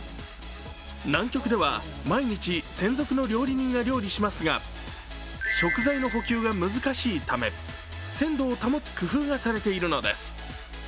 南極では、毎日専属の料理人が料理しますが食材の補給が難しいため鮮度を保つ工夫がされているのです。